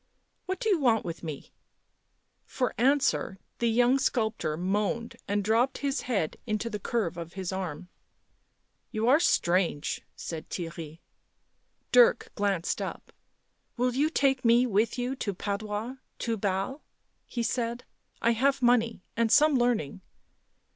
" What do you want with me ?" For answer the young sculptor moaned, and dropped his head into the curve of his arm. " You are strange," said Theirry. Dirk glanced up. "Will you take me with you to Padua — to Basle?" he said. " I have money and some learning."